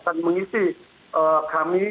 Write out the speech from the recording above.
dan mengisi kami